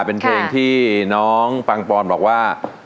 เป็นเพลงที่น้องปังปอนบอกว่า